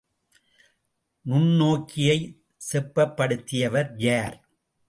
நுண்ணோக்கியை செப்பப்படுத்தியவர் யார்?